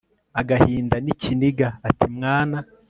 agahinda nikiniga ati mwana